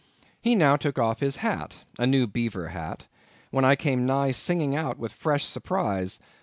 He now took off his hat—a new beaver hat—when I came nigh singing out with fresh surprise.